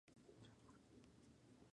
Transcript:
Villa Borghese contiene muchos edificios.